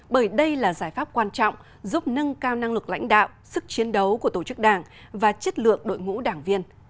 bởi đây là giải pháp quan trọng giúp nâng cao năng lực lãnh đạo sức chiến đấu của tổ chức đảng và chất lượng đội ngũ đảng viên